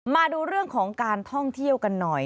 มาดูเรื่องของการท่องเที่ยวกันหน่อย